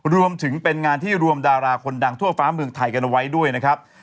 รวมถึงเป็นงานที่รวมดาราคนดังทั่วฟ้าเมืองไทยกันเอาไว้ด้วยนะครับ